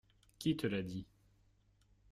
Qui te l’a dit ?